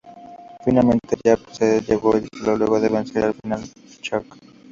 Finalmente, Yap se llevó el título luego de vencer en la final a Chuuk.